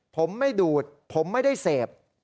ผมไม่ดูดผมไม่ได้เสพ